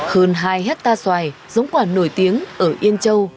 hơn hai hectare xoài giống quả nổi tiếng ở yên châu